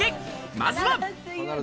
まずは。